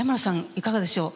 いかがでしょう。